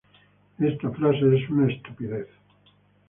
Los cobardes mueren muchas veces, los valientes solo una